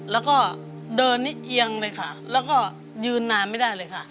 แล้วก็เดินนี่เอียงเลยค่ะแล้วก็ยืนนานไม่ได้เลยค่ะ